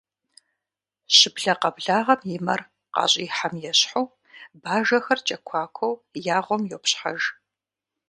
Щыблэ къэблагъэм и мэр къащӏихьам ещхьу, бажэхэр кӏэкуакуэу я гъуэм йопщхьэж.